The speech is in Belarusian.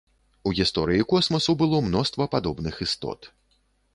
У гісторыі космасу было мноства падобных істот.